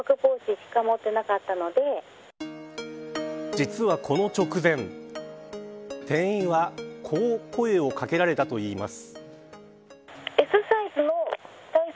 実は、この直前店員は、こう声を掛けられたといいます。